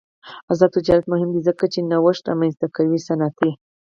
آزاد تجارت مهم دی ځکه چې نوښت رامنځته کوي صنعتي.